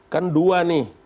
kan dua nih